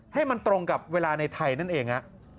ให้มันตรงกับเวลาในไทยนั่นเอง